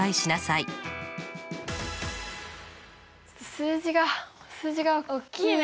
数字が数字がおっきいよね。